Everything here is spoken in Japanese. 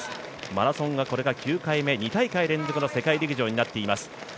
マラソンがこれが９回目、２大会連続の世界陸上となっています。